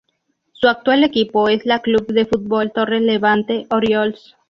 Su actual equipo es la Club de Fútbol Torre Levante Orriols.